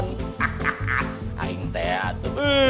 hahaha aing teat